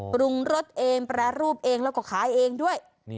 ปรุงรสเองแปรรูปเองแล้วก็ขายเองด้วย